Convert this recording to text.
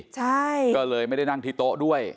ใช่ก็เลยไม่ได้นั่งที่โต๊ะด้วย